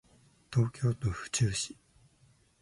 東京都府中市